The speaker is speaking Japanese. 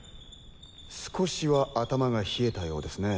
少しは頭が冷えたようですね。